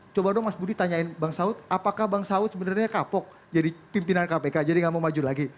coba dong mas budi tanyain bang saud apakah bang saud sebenarnya kapok jadi pimpinan kpk jadi gak mau maju lagi